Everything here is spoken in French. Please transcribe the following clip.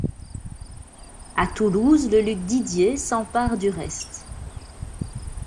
À Toulouse, le duc Didier, s’empare du reste.